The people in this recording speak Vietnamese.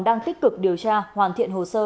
đang tích cực điều tra hoàn thiện hồ sơ